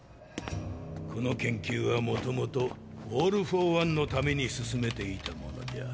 この研究は元々オール・フォー・ワンのために進めていたものじゃ。